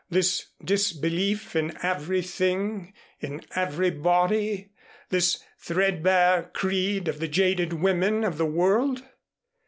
This disbelief in everything in everybody, this threadbare creed of the jaded women of the world?"